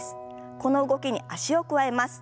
この動きに脚を加えます。